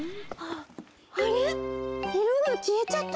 あれっ？いろがきえちゃった？